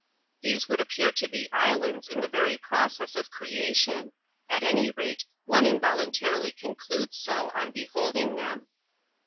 These would appear to be islands in this yerj process of creation — at any rate, one involuntarilj concludes so, on beholding them.